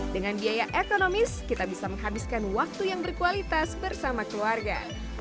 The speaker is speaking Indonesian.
dengan biaya ekonomis kita bisa menghabiskan waktu yang berkualitas bersama keluarga